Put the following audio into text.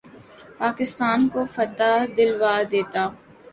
پاکستان کو فتح دلوا دیتا